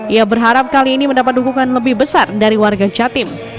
ia berharap kali ini mendapat dukungan lebih besar dari warga jatim